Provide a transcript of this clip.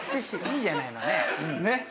いいじゃないのねえ。